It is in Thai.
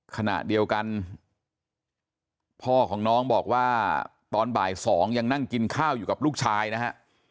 ขณะเดียวกันพ่อของน้องบอกว่าตอนบ่าย๒ยังนั่งกินข้าวอยู่กับลูกชายนะฮะ